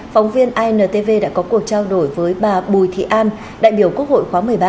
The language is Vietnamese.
phóng viên intv đã có cuộc trao đổi với bà bùi thị an đại biểu quốc hội khóa một mươi ba